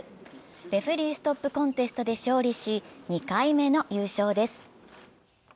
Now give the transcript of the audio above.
レフェリーストップコンテストで勝利し、２回目の優勝です。